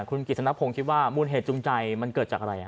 คุณกิจฟังทรัพพงศ์คิดว่ามูลเผจงใจเกิดจากอะไร